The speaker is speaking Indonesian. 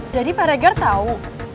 jadi pak regar tahu